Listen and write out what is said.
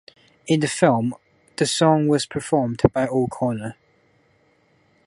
In the film the song was performed by O'Connor.